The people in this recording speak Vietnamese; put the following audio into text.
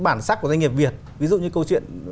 bản sắc của doanh nghiệp việt ví dụ như câu chuyện